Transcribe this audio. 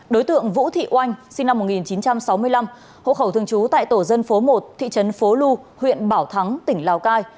đối tượng vũ thị oanh sinh năm một nghìn chín trăm sáu mươi năm hộ khẩu thường trú tại tổ dân phố một thị trấn phố lu huyện bảo thắng tỉnh lào cai